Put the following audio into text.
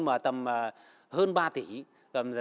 mà tầm hơn ba tỷ